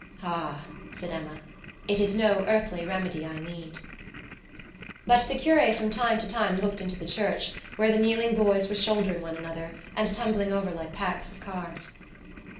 "Ah!" said Emma, "it is no earthly remedy I need." But the cure from time to time looked into the church, where the kneeling boys were shouldering one another, and tumbling over like packs of cards.